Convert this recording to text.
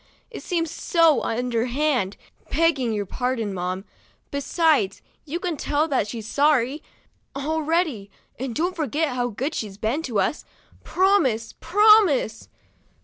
It seems so underhand, begging your pardon, mamma. Besides, you can tell that she's sorry, already, and don't forget how good she's been to us. Promise, promise